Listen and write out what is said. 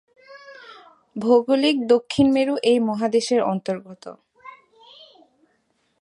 ভৌগোলিক দক্ষিণ মেরু এই মহাদেশের অন্তর্গত।